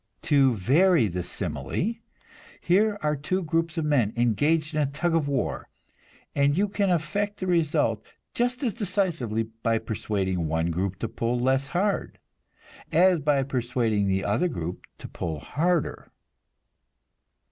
To vary the simile, here are two groups of men engaged in a tug of war, and you can affect the result just as decisively by persuading one group to pull less hard, as by persuading the other group to pull harder.